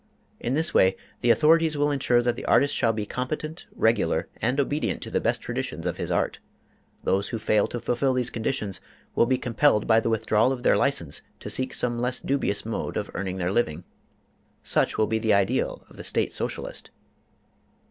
In this way, the authorities will insure that the artist shall be competent, regular, and obedient to the best traditions of his art. Those who fail to fulfil these conditions will be compelled by the withdrawal of their license to seek some less dubious mode of earning their living. Such will be the ideal of the State Socialist.